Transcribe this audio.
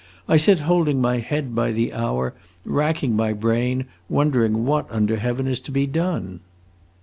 I sit holding my head by the hour, racking my brain, wondering what under heaven is to be done.